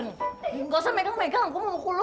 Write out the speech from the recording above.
nggak usah megang megang gue mau ngukul lo